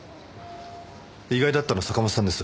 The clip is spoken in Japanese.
意外だったの坂本さんです。